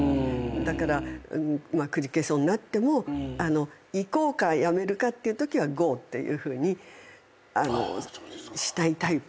だからくじけそうになっても行こうかやめるかっていうときはＧＯっていうふうにしたいタイプ。